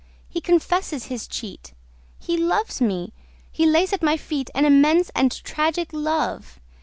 ... He confesses his cheat. He loves me! He lays at my feet an immense and tragic love...